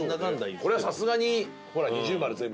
これはさすがにほら二重丸全部。